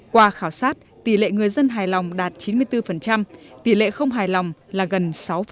qua khảo sát tỷ lệ người dân hài lòng đạt chín mươi bốn tỷ lệ không hài lòng là gần sáu